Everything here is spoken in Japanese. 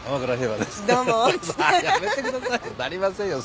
なりませんよ